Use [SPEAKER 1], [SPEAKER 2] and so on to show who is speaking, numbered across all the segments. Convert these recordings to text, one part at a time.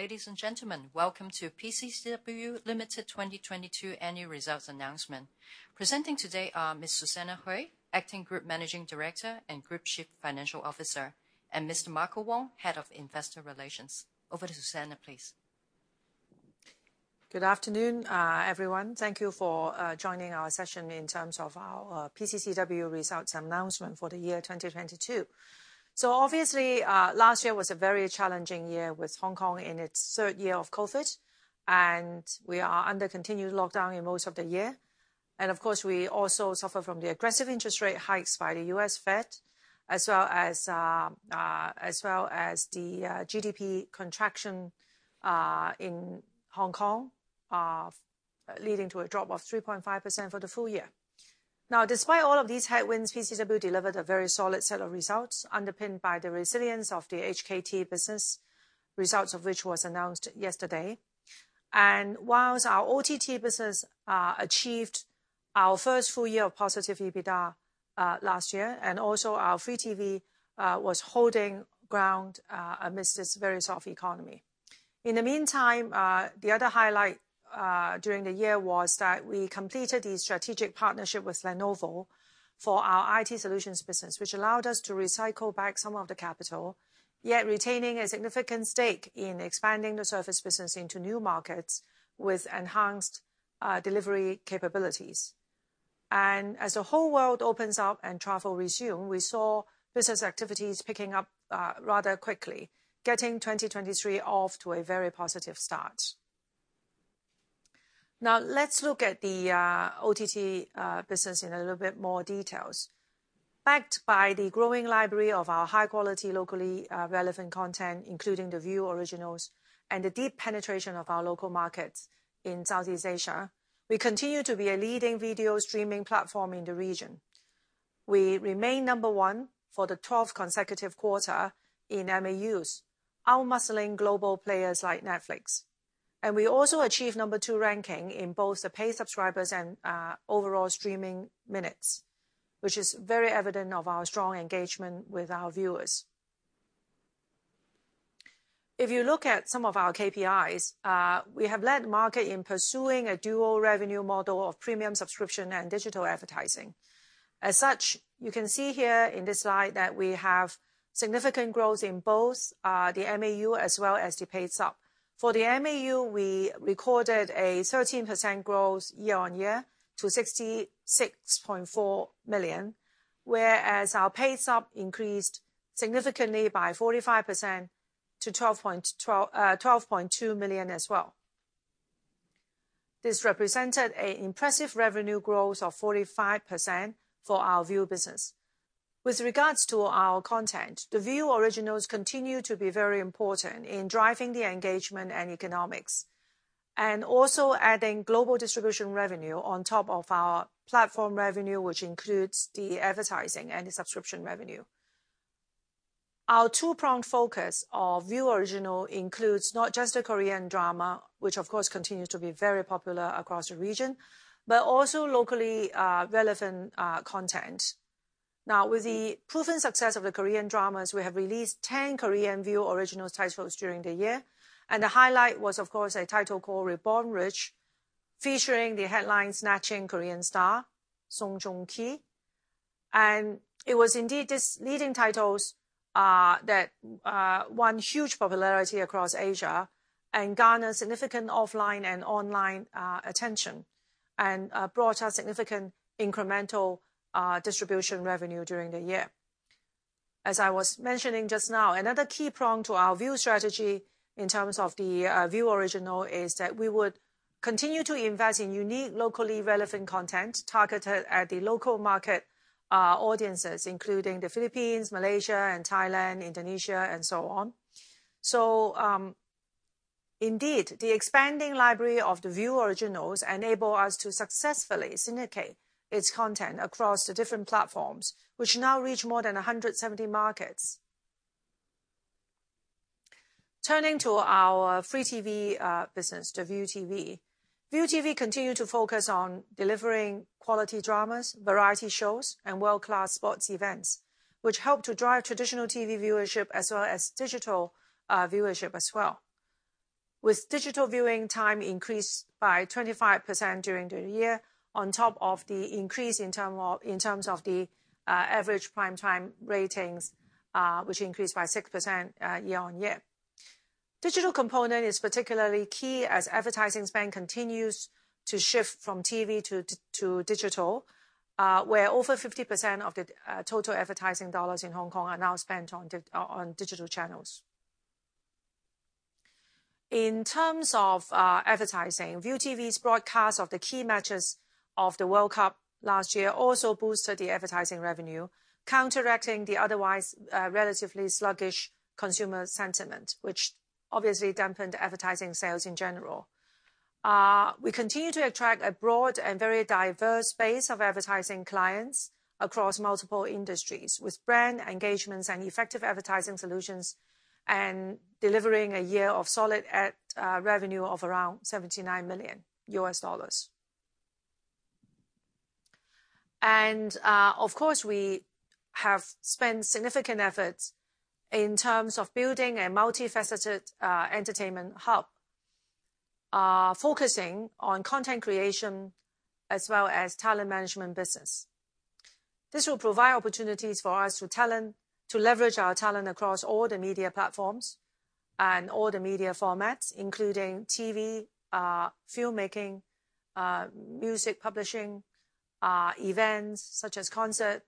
[SPEAKER 1] Ladies and gentlemen, welcome to PCCW Limited 2022 annual results announcement. Presenting today are Ms. Susanna Hui, Acting Group Managing Director and Group Chief Financial Officer, and Mr. Marco Wong, Head of Investor Relations. Over to Susanna, please.
[SPEAKER 2] Good afternoon, everyone. Thank you for joining our session in terms of our PCCW results announcement for the year 2022. Obviously, last year was a very challenging year with Hong Kong in its third year of COVID, and we are under continued lockdown in most of the year. Of course, we also suffer from the aggressive interest rate hikes by the U.S. Fed, as well as the GDP contraction in Hong Kong, leading to a drop of 3.5% for the full year. Despite all of these headwinds, PCCW delivered a very solid set of results, underpinned by the resilience of the HKT business, results of which was announced yesterday. Whilst our OTT business achieved our first full year of positive EBITDA last year, and also our free TV was holding ground amidst this very soft economy. In the meantime, the other highlight during the year was that we completed the strategic partnership with Lenovo for our IT solutions business, which allowed us to recycle back some of the capital, yet retaining a significant stake in expanding the service business into new markets with enhanced delivery capabilities. As the whole world opens up and travel resume, we saw business activities picking up rather quickly, getting 2023 off to a very positive start. Now, let's look at the OTT business in a little bit more details. Backed by the growing library of our high-quality, locally, relevant content, including the Viu Original, and the deep penetration of our local markets in Southeast Asia, we continue to be a leading video streaming platform in the region. We remain number one for the 12th consecutive quarter in MAUs, outmuscling global players like Netflix. We also achieve number two ranking in both the paid subscribers and overall streaming minutes, which is very evident of our strong engagement with our viewers. If you look at some of our KPIs, we have led market in pursuing a dual revenue model of premium subscription and digital advertising. As such, you can see here in this slide that we have significant growth in both the MAU as well as the paid sub. For the MAU, we recorded a 13% growth year on year to 66.4 million, whereas our paid sub increased significantly by 45% to 12.2 million as well. This represented a impressive revenue growth of 45% for our Viu business. With regards to our content, the Viu Original continue to be very important in driving the engagement and economics, and also adding global distribution revenue on top of our platform revenue, which includes the advertising and subscription revenue. Our two-pronged focus of Viu Original includes not just the Korean drama, which of course continues to be very popular across the region, but also locally relevant content. Now, with the proven success of the Korean dramas, we have released 10 Korean Viu Original titles during the year. The highlight was, of course, a title called Reborn Rich, featuring the headline-snatching Korean star, Song Joong-ki. It was indeed this leading titles that won huge popularity across Asia and garnered significant offline and online attention, and brought us significant incremental distribution revenue during the year. As I was mentioning just now, another key prong to our Viu strategy in terms of the Viu Original is that we would continue to invest in unique, locally relevant content targeted at the local market audiences, including the Philippines, Malaysia and Thailand, Indonesia, and so on. Indeed, the expanding library of the Viu Originals enable us to successfully syndicate its content across the different platforms, which now reach more than 170 markets. Turning to our free TV business, the ViuTV. ViuTV continue to focus on delivering quality dramas, variety shows, and world-class sports events, which help to drive traditional TV viewership as well as digital viewership as well. With digital viewing time increased by 25% during the year on top of the increase in terms of the average primetime ratings, which increased by 6% year-on-year. Digital component is particularly key as advertising spend continues to shift from TV to digital, where over 50% of the total advertising dollars in Hong Kong are now spent on digital channels. In terms of advertising, ViuTV's broadcast of the key matches of the World Cup last year also boosted the advertising revenue, counteracting the otherwise relatively sluggish consumer sentiment, which obviously dampened advertising sales in general. We continue to attract a broad and very diverse base of advertising clients across multiple industries with brand engagements and effective advertising solutions, delivering a year of solid ad revenue of around $79 million. Of course we have spent significant efforts in terms of building a multifaceted entertainment hub, focusing on content creation as well as talent management business. This will provide opportunities for us to leverage our talent across all the media platforms and all the media formats, including TV, filmmaking, music publishing, events such as concert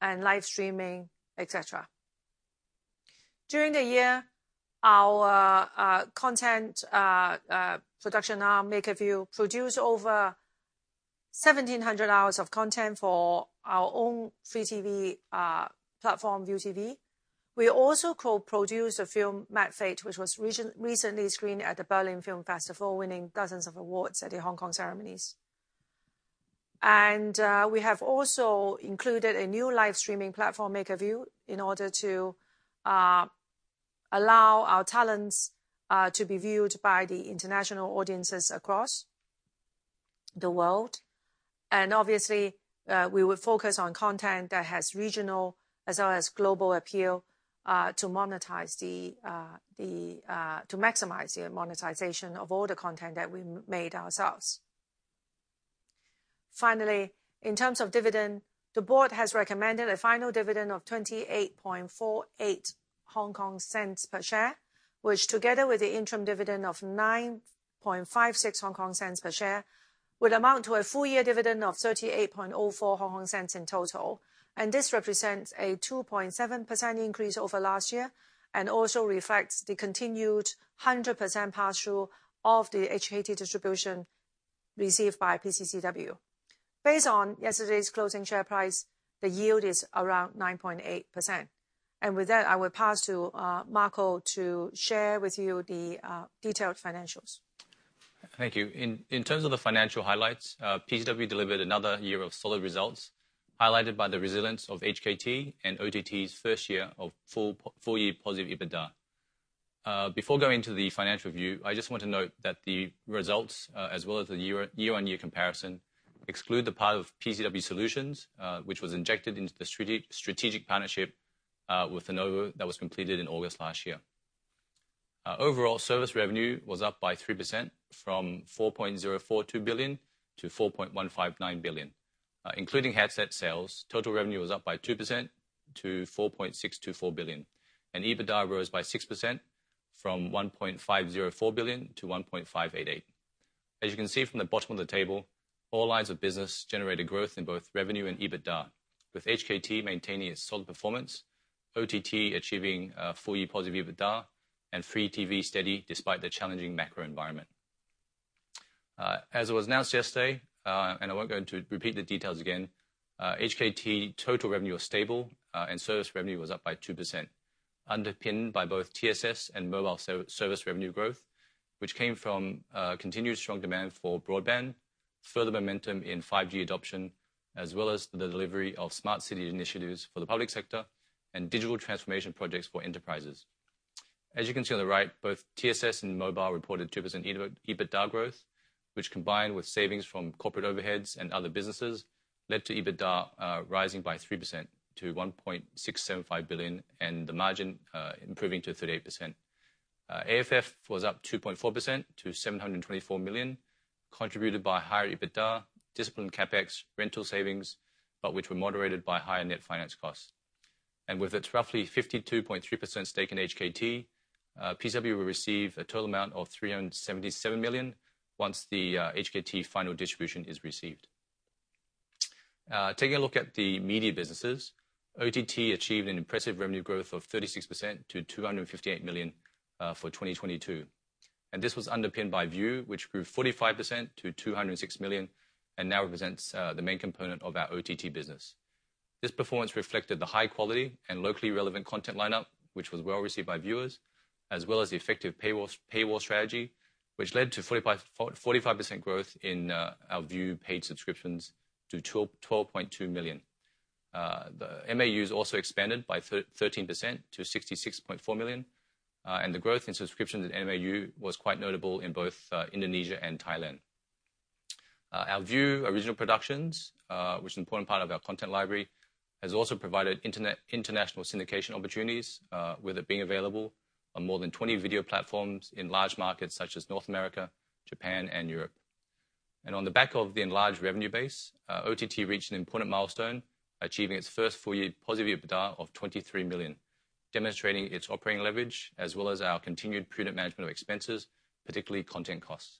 [SPEAKER 2] and live streaming, etc. During the year, our content production arm, MakerVille, produced over 1,700 hours of content for our own free TV platform, ViuTV. We also co-produced a film, Mad Fate, which was recently screened at the Berlin Film Festival, winning dozens of awards at the Hong Kong ceremonies. We have also included a new live streaming platform, MakerVille, in order to allow our talents to be viewed by the international audiences across the world. Obviously, we will focus on content that has regional as well as global appeal to maximize the monetization of all the content that we made ourselves. Finally, in terms of dividend, the board has recommended a final dividend of 0.2848 per share, which together with the interim dividend of 0.0956 per share, will amount to a full year dividend of 0.3804 in total. This represents a 2.7% increase over last year, and also reflects the continued 100% pass through of the HKT distribution received by PCCW. Based on yesterday's closing share price, the yield is around 9.8%. With that, I will pass to Marco to share with you the detailed financials.
[SPEAKER 3] Thank you. In terms of the financial highlights, PCCW delivered another year of solid results, highlighted by the resilience of HKT and OTT's first year of full year positive EBITDA. Before going to the financial review, I just want to note that the results, as well as the year-on-year comparison exclude the part of PCCW Solutions, which was injected into the strategic partnership with Lenovo that was completed in August last year. Overall service revenue was up by 3% from 4.042 billion to 4.159 billion. Including headset sales, total revenue was up by 2% to 4.624 billion. EBITDA rose by 6% from 1.504 billion to 1.588 billion. As you can see from the bottom of the table, all lines of business generated growth in both revenue and EBITDA, with HKT maintaining its solid performance, OTT achieving full year positive EBITDA, and free TV steady despite the challenging macro environment. As was announced yesterday, and I won't go into repeat the details again, HKT total revenue was stable, and service revenue was up by 2%, underpinned by both TSS and mobile service revenue growth, which came from continued strong demand for broadband, further momentum in 5G adoption, as well as the delivery of smart city initiatives for the public sector and digital transformation projects for enterprises. As you can see on the right, both TSS and mobile reported 2% EBITDA growth, which combined with savings from corporate overheads and other businesses led to EBITDA rising by 3% to 1.675 billion, and the margin improving to 38%. AFF was up 2.4% to 724 million, contributed by higher EBITDA, disciplined CapEx, rental savings, but which were moderated by higher net finance costs. With its roughly 52.3% stake in HKT, PCCW will receive a total amount of 377 million once the HKT final distribution is received. Taking a look at the media businesses. OTT achieved an impressive revenue growth of 36% to 258 million for 2022. This was underpinned by Viu, which grew 45% to 206 million and now represents the main component of our OTT business. This performance reflected the high quality and locally relevant content lineup, which was well received by viewers, as well as the effective paywall strategy, which led to 45% growth in our Viu paid subscriptions to 12.2 million. The MAUs also expanded by 13% to 66.4 million. The growth in subscriptions and MAU was quite notable in both Indonesia and Thailand. Our Viu Original productions, which is an important part of our content library, has also provided international syndication opportunities with it being available on more than 20 video platforms in large markets such as North America, Japan, and Europe. On the back of the enlarged revenue base, OTT reached an important milestone, achieving its first full year positive EBITDA of $23 million, demonstrating its operating leverage as well as our continued prudent management of expenses, particularly content costs.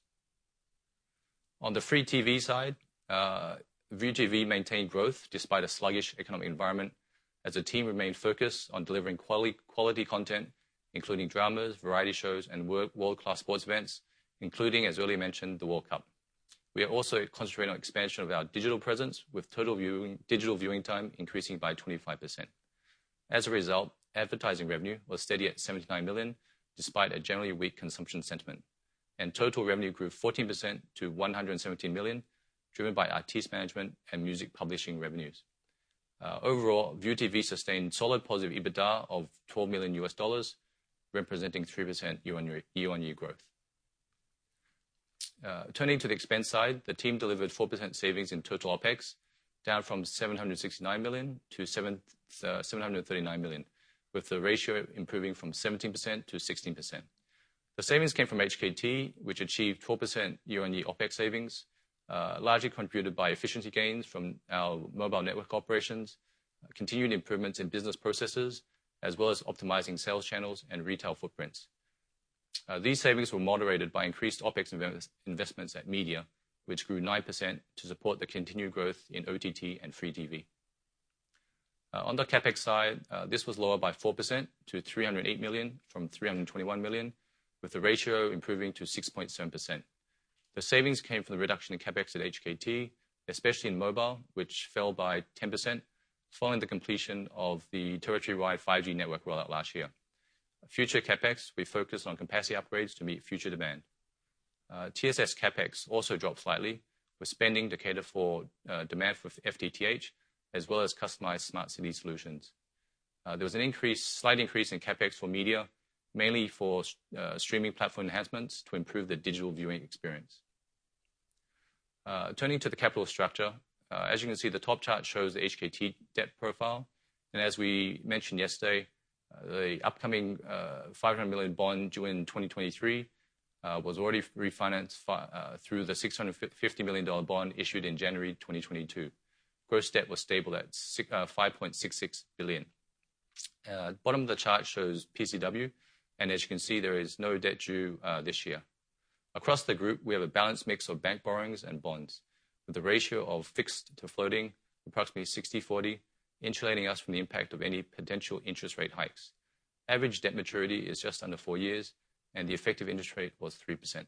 [SPEAKER 3] On the free TV side, ViuTV maintained growth despite a sluggish economic environment as the team remained focused on delivering quality content, including dramas, variety shows, and world class sports events, including, as earlier mentioned, the World Cup. We are also concentrating on expansion of our digital presence with total viewing, digital viewing time increasing by 25%. As a result, advertising revenue was steady at $79 million, despite a generally weak consumption sentiment. Total revenue grew 14% to $117 million, driven by artist management and music publishing revenues. Overall, ViuTV sustained solid positive EBITDA of $12 million, representing 3% year-on-year growth. Turning to the expense side, the team delivered 4% savings in total OpEx, down from $769 million to $739 million, with the ratio improving from 17% to 16%. The savings came from HKT, which achieved 4% year-on-year OpEx savings, largely contributed by efficiency gains from our mobile network operations, continuing improvements in business processes, as well as optimizing sales channels and retail footprints. These savings were moderated by increased OpEx investments at media, which grew 9% to support the continued growth in OTT and free TV. On the CapEx side, this was lower by 4% to 308 million from 321 million, with the ratio improving to 6.7%. The savings came from the reduction in CapEx at HKT, especially in mobile, which fell by 10% following the completion of the territory-wide 5G network rollout last year. Future CapEx, we focus on capacity upgrades to meet future demand. TSS CapEx also dropped slightly, with spending to cater for demand for FTTH as well as customized smart city solutions. There was an increase, slight increase in CapEx for media, mainly for streaming platform enhancements to improve the digital viewing experience. Turning to the capital structure, as you can see, the top chart shows the HKT debt profile. As we mentioned yesterday, the upcoming $500 million bond due in 2023 was already refinanced through the $650 million bond issued in January 2022. Gross debt was stable at 5.66 billion. Bottom of the chart shows PCCW, and as you can see, there is no debt due this year. Across the group, we have a balanced mix of bank borrowings and bonds with a ratio of fixed to floating approximately 60/40, insulating us from the impact of any potential interest rate hikes. Average debt maturity is just under 4 years, and the effective interest rate was 3%.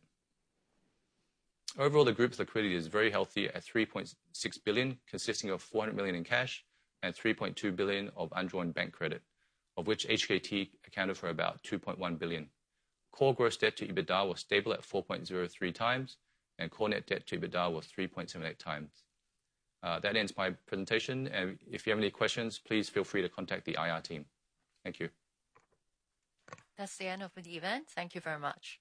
[SPEAKER 3] Overall, the group's liquidity is very healthy at 3.6 billion, consisting of 400 million in cash and 3.2 billion of undrawn bank credit, of which HKT accounted for about 2.1 billion. Core gross debt to EBITDA was stable at 4.03x. Core net debt to EBITDA was 3.78x. That ends my presentation. If you have any questions, please feel free to contact the IR team. Thank you.
[SPEAKER 1] That's the end of the event. Thank you very much.